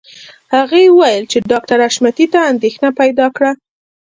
هغې وویل چې ډاکټر حشمتي ته اندېښنه پیدا کړه